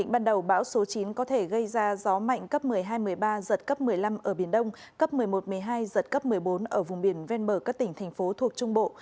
ban đầu bão số chín có thể gây ra gió mạnh cấp một mươi hai một mươi ba giật cấp một mươi năm ở biển đông cấp một mươi một một mươi hai giật cấp một mươi bốn ở vùng biển ven bờ các tỉnh thành phố thuộc trung bộ